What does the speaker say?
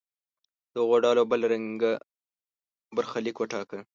دغو ډلو بل رنګه برخلیک وټاکه.